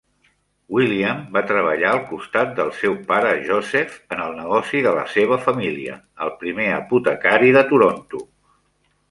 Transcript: William va treballar al costat del seu pare Joseph en el negoci de la seva família: el primer apotecari de Toronto.